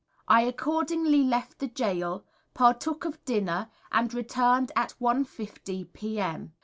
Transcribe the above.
I accordingly left the Gaol, partook of dinner, and returned at 1 50 p.m.